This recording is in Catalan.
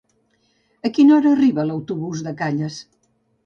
A quina hora arriba l'autobús de Calles?